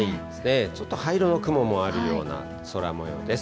ちょっと灰色の雲もあるような空もようです。